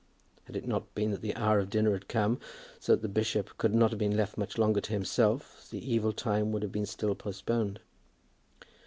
Had it not been that the hour of dinner had come, so that the bishop could not have been left much longer to himself, the evil time would have been still postponed.